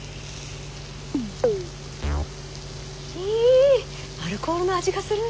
ひアルコールの味がする！